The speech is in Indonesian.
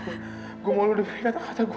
aku mau lo dengerin kata kata ku